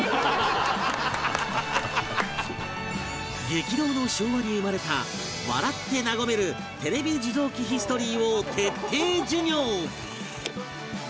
激動の昭和に生まれた笑って和めるテレビ受像機ヒストリーを徹底授業